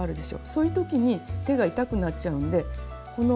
そういう時に手が痛くなっちゃうんでへえ？